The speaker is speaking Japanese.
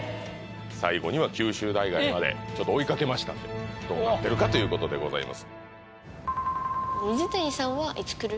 最後には九州大会までちょっと追いかけましたんでどうなってるかということでございます水谷さんはいつ来る？